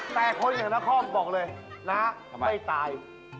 แต่คนอย่างนครบอกเลยนะไม่ตาย